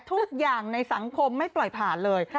ทุกอย่างในสังคมไม่ปล่อยผ่านเลย